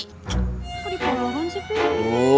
kok di pohon sih